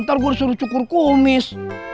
ntar gue disuruh cukur kumis